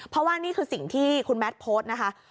เพราะว่านี่คือสิ่งที่คุณแมทโพสต์นะคะ